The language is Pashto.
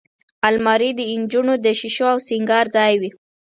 الماري د نجونو د شیشو او سینګار ځای وي